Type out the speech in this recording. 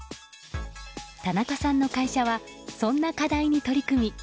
田中さんの会社はそんな課題に取り組み